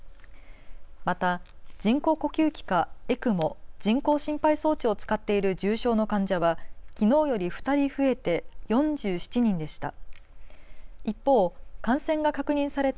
また人工呼吸器かＥＣＭＯ・人工心肺装置を使っている重症の患者はきのうより２人増えて４７人でした。